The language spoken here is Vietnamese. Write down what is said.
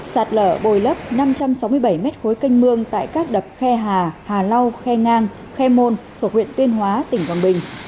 sạt lở bồi lấp năm trăm sáu mươi bảy mét khối canh mương tại các đập khe hà hà lau khe ngang khe môn thuộc huyện tuyên hóa tỉnh quảng bình